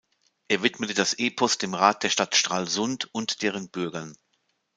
Er widmete das Epos dem Rat der Stadt Stralsund und deren Bürgern.